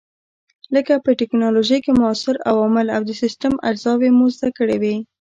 لکه په ټېکنالوجۍ کې موثر عوامل او د سیسټم اجزاوې مو زده کړې وې.